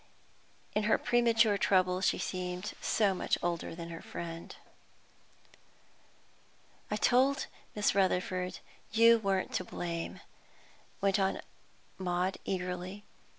In her premature trouble she seemed so much older than her friend. "I told Miss Rutherford you weren't to blame," went on Maud eagerly.